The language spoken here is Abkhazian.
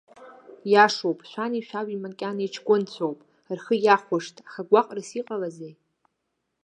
Иашоуп, шәани шәаби макьана иҷкәынцәоуп, рхы иахәашт, аха гәаҟрас иҟалазеи?